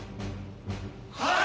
はい！